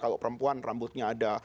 kalau perempuan rambutnya ada